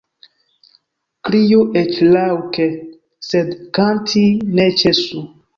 Kriu eĉ raŭke, sed kanti ne ĉesu.